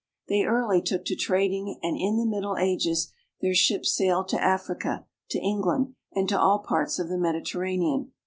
They early took to trading and in the Middle Ages their ships sailed to Africa, to England, and to all parts of the Mediterranean.